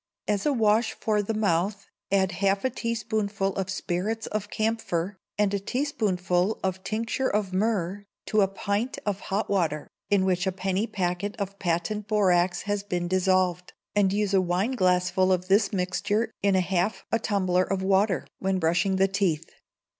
As a wash for the mouth add half a teaspoonful of spirits of camphor, and a teaspoonful of tincture of myrrh to a pint of hot water, in which a penny packet of Patent Borax has been dissolved, and use a wineglassful of this mixture in half a tumbler of water, when brushing the teeth.